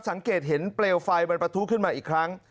สังเกตเห็นเปลวไฟมันประทุขึ้นมาอีกครั้ง